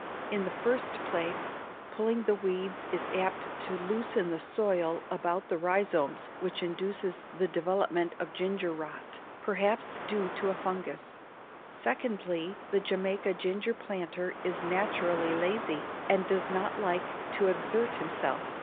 In the first place pulling the weeds is apt to loosen the soil about the rhizomes which induces the development of "ginger rot," perhaps due to a fungus. Secondly, the Jamaica ginger planter is naturally lazy and does not like to exert himself.